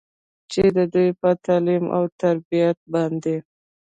چې د دوي پۀ تعليم وتربيت باندې